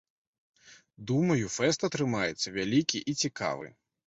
Думаю фэст атрымаецца вялікі і цікавы.